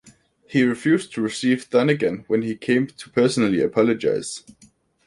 He refused to receive Donegan when he came to personally apologise.